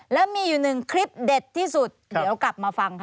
แล้วมีอยู่หนึ่งคลิปเด็ดที่สุดเดี๋ยวกลับมาฟังค่ะ